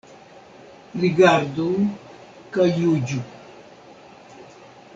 Rigardu kaj juĝu.